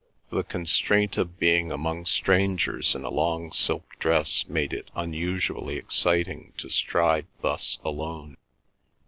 The constraint of being among strangers in a long silk dress made it unusually exciting to stride thus alone.